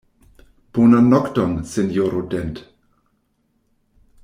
Bonan nokton, sinjoro Dent.